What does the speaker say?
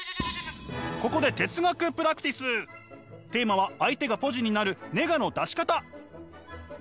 ここでテーマは相手がポジになるネガの出し方。